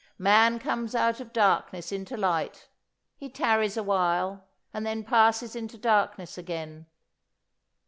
'"Man comes out of darkness into light. He tarries awhile and then passes into darkness again.